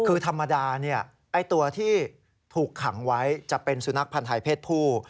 คือธรรมดาไอ้ตัวที่ถูกขังไว้จะเป็นสุนัขพันธ์ไทยเพศผู้